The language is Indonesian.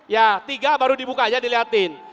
ya tiga baru dibuka aja dilihatin